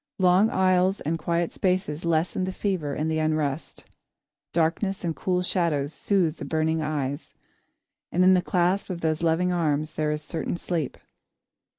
Long aisles and quiet spaces lessen the fever and the unrest. Darkness and cool shadows soothe the burning eyes, and in the clasp of those loving arms there is certain sleep.